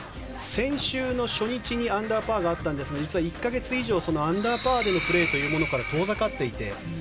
先週初日にアンダーパーがあったんですが実は１か月以上アンダーパーでのプレーというものから遠ざかっていて。